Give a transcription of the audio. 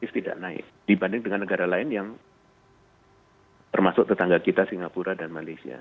tidak naik dibanding dengan negara lain yang termasuk tetangga kita singapura dan malaysia